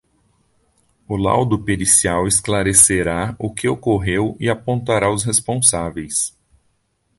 O laudo pericial esclarecerá o que ocorreu e apontará os responsáveis